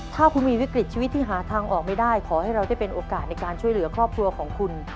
ถ้าคุณมีวิกฤตชีวิตที่หาทางออกไม่ได้ขอให้เราได้เป็นโอกาสในการช่วยเหลือครอบครัวของคุณ